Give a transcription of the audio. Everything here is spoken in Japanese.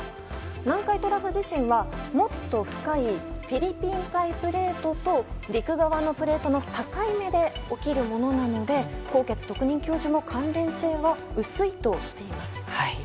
南海トラフ地震は、もっと深いフィリピン海プレートと陸側のプレートの境目で起きるものなので纐纈特任教授も関連性は薄いとしています。